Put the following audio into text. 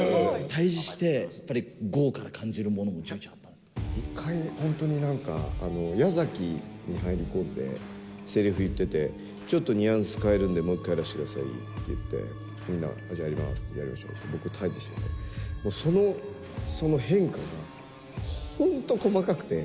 対じして、やっぱり剛から感一回、本当になんか、矢崎に入り込んで、せりふ言ってて、ちょっとニュアンス変えるんで、もう一回やらせてくださいって言って、じゃあ、やりますって、やりましょうって、僕は対じしてて、もう、その変化が本当細かくて。